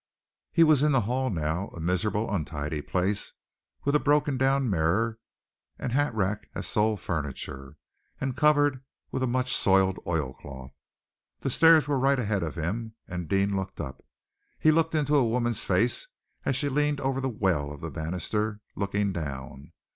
He was in the hall now, a miserable, untidy place with a broken down mirror and hat rack as sole furniture, and covered with a much soiled oilcloth. The stairs were right ahead of him, and Deane looked up. He looked into a woman's face as she leaned over the well of the banisters, looking down.